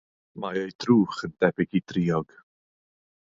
Mae ei drwch yn debyg i driog.